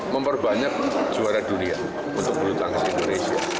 memperbanyak juara dunia untuk bulu tangkis indonesia